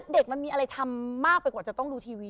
มันมีอะไรทำมากไปกว่าจะต้องดูทีวี